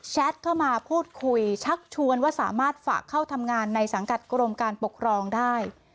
เข้ามาพูดคุยชักชวนว่าสามารถฝากเข้าทำงานในสังกัดกรมการปกครองได้